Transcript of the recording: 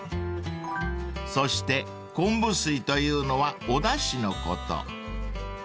［そして昆布水というのはおだしのこと］